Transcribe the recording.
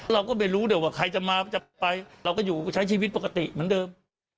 เราก็ไม่รู้ด้วยว่าใครจะมาจะไปเราก็อยู่ก็ใช้ชีวิตปกติเหมือนเดิม